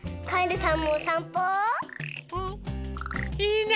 いいね。